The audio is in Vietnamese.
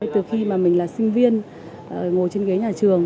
từ khi mà mình là sinh viên ngồi trên ghế nhà trường